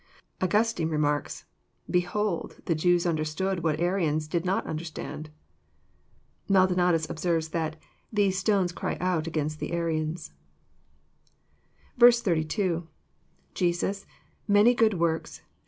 Augustine remarks: << Behold the Jews understood what Arians do not understand." Maldonatus observes that <* these stones cry out against the Arians." Z2. — {Je9us„.many good works..